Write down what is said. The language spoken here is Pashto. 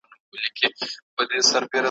د پرنګ توپ يې خاموش کی ,